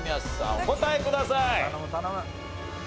お答えください。